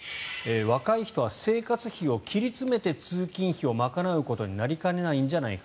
若い人は生活費を切り詰めて通勤費を賄うことになりかねないんじゃないか。